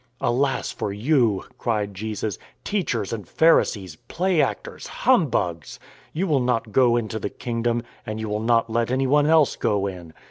"Alas for you!" cried Jesus. "Teachers and Pharisees, play actors, humbugs. You will not go into the Kingdom, and you will not let anyone else go in.